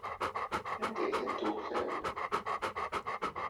Anda ay tent-tewtem?